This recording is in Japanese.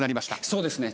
そうですね。